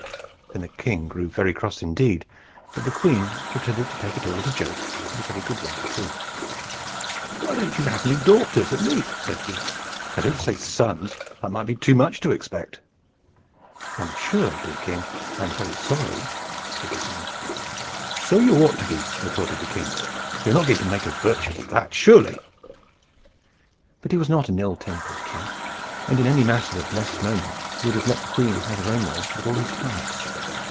Then the king grew very cross indeed. But the queen pretended to take it all as a joke, and a very good one too. "Why don't you have any daughters, at least?" said he. "I don't say sons; that might be too much to expect." "I am sure, dear king, I am very sorry," said the queen. "So you ought to be," retorted the king; "you are not going to make a virtue of that, surely." But he was not an ill tempered king, and in any matter of less moment would have let the queen have her own way with all his heart.